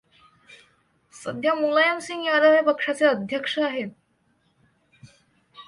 सध्या मुलायम सिंग यादव हे पक्षाचे अध्यक्ष आहेत.